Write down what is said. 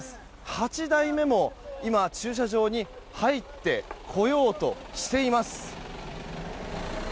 ８台目も駐車場に入ってこようとしています。